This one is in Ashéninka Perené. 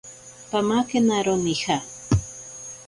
Pamakenaro nija.